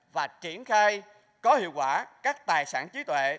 và triển khai có hiệu quả các tài sản trí tuệ